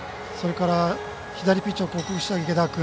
左ピッチャーを克服した池田君。